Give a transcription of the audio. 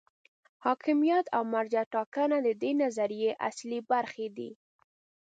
حاکمیت او مرجع ټاکنه د دې نظریې اصلي برخې دي.